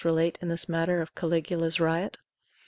relate in this matter of Caligula's riot?